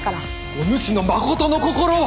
おぬしのまことの心を。